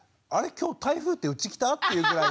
今日台風ってうち来た？っていうぐらいの。